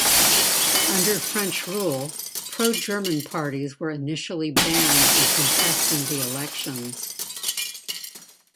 Under French rule, pro-German parties were initially banned from contesting the elections.